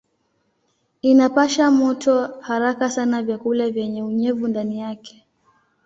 Inapasha moto haraka sana vyakula vyenye unyevu ndani yake.